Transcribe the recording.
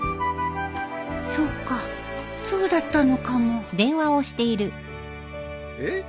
そっかそうだったのかもえっ？